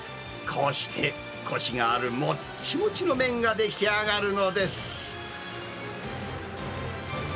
こうしてこしがあるもっちもちの麺が出来上がるのです。